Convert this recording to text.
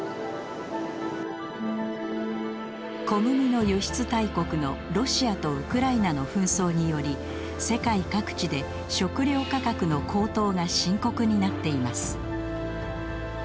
小麦の輸出大国のロシアとウクライナの紛争により世界各地で食料価格の高騰が深刻になっています。